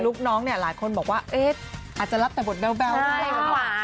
น้องเนี่ยหลายคนบอกว่าเอ๊ะอาจจะรับแต่บทแบ๊วหรือเปล่า